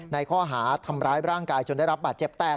ในข้อหาทำร้ายร่างกายจนได้รับบาดเจ็บแตก